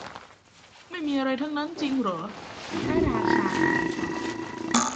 ไม่มีอะไรทั้งนั้นจริงเหรอ พระราชาถามต่อ